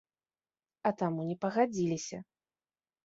А таму не пагадзіліся.